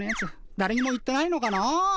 だれにも言ってないのかな。